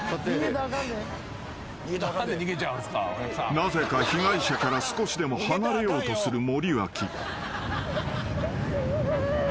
［なぜか被害者から少しでも離れようとする森脇］